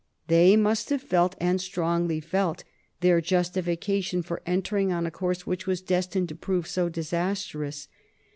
They must have felt, and strongly felt, their justification for entering on a course which was destined to prove so disastrous.